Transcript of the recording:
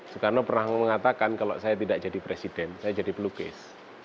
soekarno pernah mengatakan kalau saya tidak jadi presiden saya jadi pelukis